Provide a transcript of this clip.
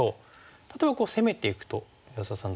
例えば攻めていくと安田さん